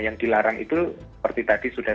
yang dilarang itu seperti tadi sudah